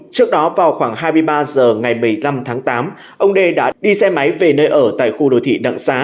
trước đó vào khoảng hai mươi ba h ngày một mươi năm tháng tám ông đê đã đi xe máy về nơi ở tại khu đô thị đặng xá